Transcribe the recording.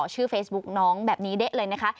ชื่อเฟซบุ๊กน้องแบบนี้เด๊ะเลยนะคะ